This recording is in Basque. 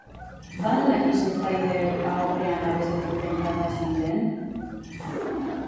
Ba al dakizu fraideek ahopean abesten duten kanta zein den?